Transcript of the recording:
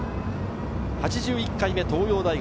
８１回目、東洋大学。